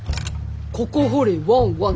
ここ掘れワンワン。